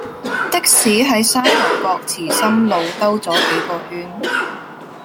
的士喺沙頭角祠心路兜左幾個圈